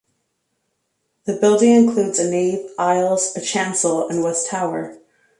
The building includes a nave, aisles, a chancel and west tower.